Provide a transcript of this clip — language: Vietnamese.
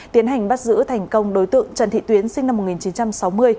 tiến hành bắt giữ thành công đối tượng trần thị tuyến sinh năm một nghìn chín trăm sáu mươi